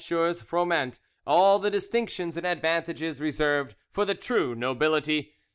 Froment all the distinctions and advantages reserved for the true nobility.